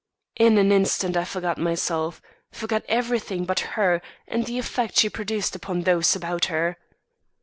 In an instant I forgot myself, forgot everything but her and the effect she produced upon those about her.